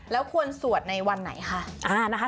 แล้วควรสวดในวันไหนคะ